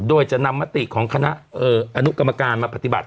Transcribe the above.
โดยจะนำมติของคณะอนุกรรมการมาปฏิบัติ